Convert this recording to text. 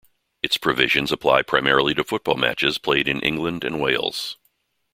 Its provisions apply primarily to football matches played in England and Wales.